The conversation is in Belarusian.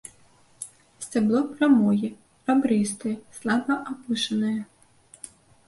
Сцябло прамое, рабрыстае, слаба апушанае.